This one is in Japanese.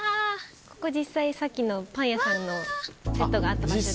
ここ実際さっきのパン屋さんのセットがあった場所です。